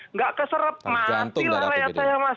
nggak keserap mati lah layak saya mas